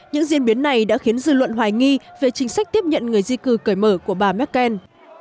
những diễn biến này đã khiến dư luận hoài nghi về chính sách tiếp nhận người di cư cởi mở của bà merkel